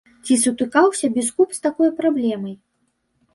Ці сутыкаўся біскуп з такой праблемай?